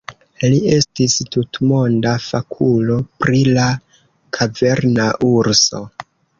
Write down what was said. Li estis tutmonda fakulo pri la kaverna urso.